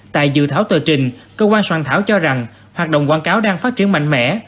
tại dự thảo tờ trình cơ quan soạn thảo cho rằng hoạt động quảng cáo đang phát triển mạnh mẽ